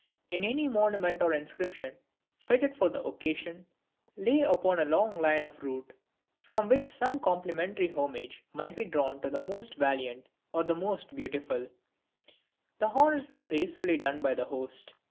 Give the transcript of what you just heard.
If any monument or inscription, fitted for the occasion, lay upon the long line of route, from which some complimentary homage might be drawn to the "most valiant or the most beautiful," the honors were gracefully done by the host.